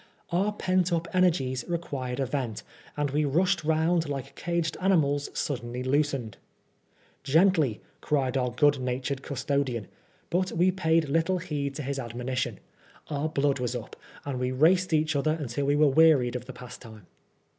Our pent up energies required a vent, and we rushed round like caged animals suddenly loosened. " Gently," cried our good natured custodian ; but we paid little heed to his admonition ; our blood was up, and we raced each other until we were wearied of the pastime.